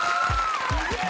すげえ！